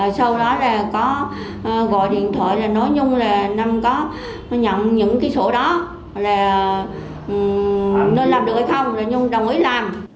là nên làm được hay không là nhung đồng ý làm